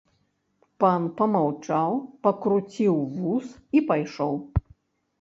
Пан памаўчаў, пакруціў вус і пайшоў.